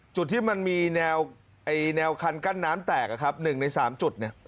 จุดที่มันมีแนวคันกั้นน้ำแตก๑ใน๓จุดเนี่ย